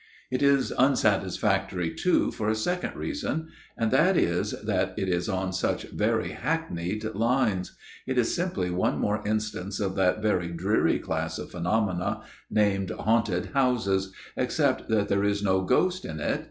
" It is unsatisfactory, too, for a second reason ; and that is, that it is on such very hackneyed lines. It is simply one more instance of that very dreary class of phenomena, named haunted houses ; except that there is no ghost in it.